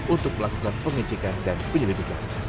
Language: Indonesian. untuk melakukan pengecekan dan penyelidikan